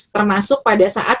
termasuk pada saat